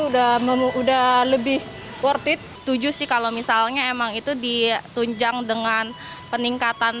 udah memudah lebih worth it setuju sih kalau misalnya emang itu ditunjang dengan peningkatan